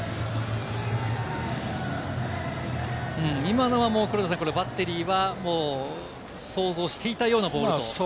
今のは黒田さん、バッテリーは想像していたようなボール。